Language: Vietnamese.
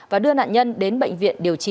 và đưa nạn nhân đến bệnh viện điều trị